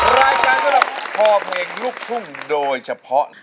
รายการสำหรับพอเพลงลูกทุ่งโดยเฉพาะ